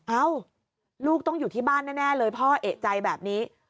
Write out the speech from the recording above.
เอ้าลูกต้องอยู่ที่บ้านแน่เลยพ่อเอกใจแบบนี้